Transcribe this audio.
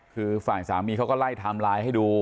คือฝ่ายสามีเขาก็ไล่ไทม์ไลน์ให้ดู